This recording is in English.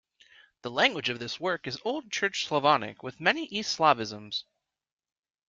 The language of this work is Old Church Slavonic with many East Slavisms.